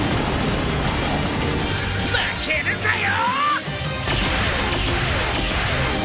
負けるかよ！